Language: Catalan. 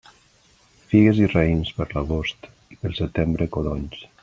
Figues i raïms per l'agost, i pel setembre codonys.